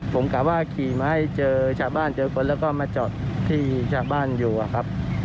ผมกลับว่าขี่มาให้เจอชาวบ้านเจอคนแล้วก็มาจอดที่ชาวบ้านอยู่อะครับ